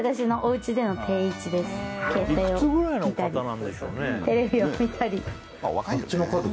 携帯を見たりテレビを見たり。